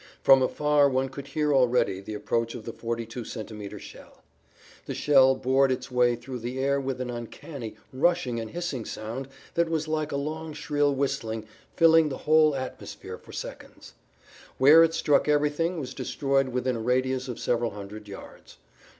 From afar one could hear already the[Pg 16] approach of the 42 centimeter shell. The shell bored its way through the air with an uncanny, rushing and hissing sound that was like a long shrill whistling filling the whole atmosphere for seconds. Where it struck everything was destroyed within a radius of several hundred yards.